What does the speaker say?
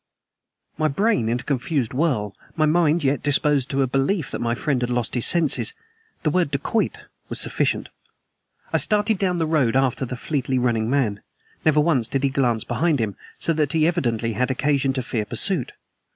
My brain in a confused whirl; my mind yet disposed to a belief that my friend had lost his senses, the word "dacoit" was sufficient. I started down the road after the fleetly running man. Never once did he glance behind him, so that he evidently had occasion to fear pursuit.